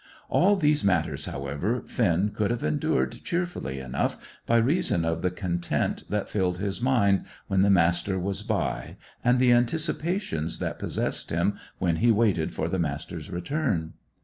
All these matters, however, Finn could have endured cheerfully enough, by reason of the content that filled his mind when the Master was by, and the anticipations that possessed him while he waited for the Master's return.